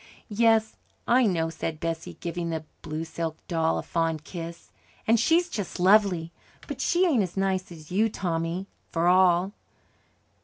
"Yes, I know," said Bessie, giving the blue silk doll a fond kiss, "and she's just lovely. But she ain't as nice as you, Tommy, for all."